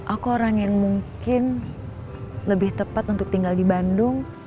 aku orang yang mungkin lebih tepat untuk tinggal di bandung